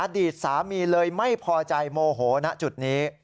อดีตสามีเลยไม่พอใจโมโหณจุดนี้